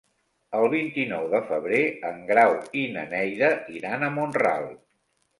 El vint-i-nou de febrer en Grau i na Neida iran a Mont-ral.